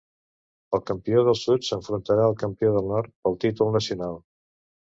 El campió del sud s'enfrontarà al campió del nord pel títol nacional.